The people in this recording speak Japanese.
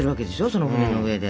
その船の上で。